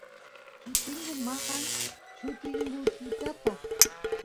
llutingu maqan llutingutitata